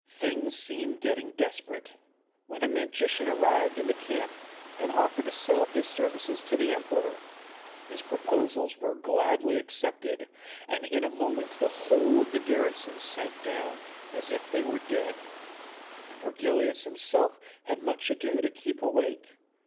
Things seemed getting desperate, when a magician arrived in the camp and offered to sell his services to the emperor. His proposals were gladly accepted, and in a moment the whole of the garrison sank down as if they were dead, and Virgilius himself had much ado to keep awake.